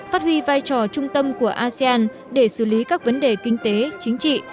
phát huy vai trò trung tâm của asean để xử lý các vấn đề kinh tế chính trị